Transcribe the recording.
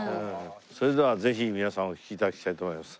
それではぜひ皆さんお聴き頂きたいと思います。